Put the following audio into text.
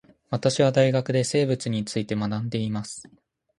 私は大学で生物について学んでいます